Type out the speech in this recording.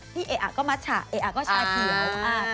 พี่เอ๊ะโอ๊ะก็มัสชาเอ๊ะโอ๊ะก็ชาเขียว